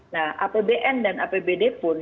nah apbn dan apbd pun